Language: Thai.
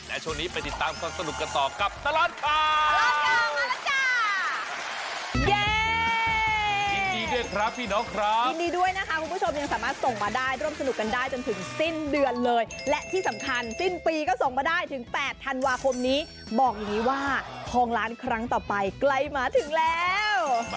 และช่วงนี้ไปติดตามเพิ่มสนุกกันต่อกับ